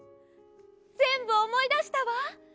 ぜんぶおもいだしたわ。